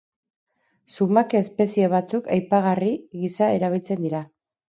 Zumake-espezie batzuk apaingarri gisa erabiltzen dira.